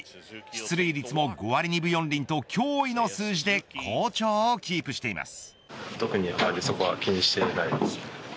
出塁率も５割２分４厘と驚異の数字で好調をキープしています。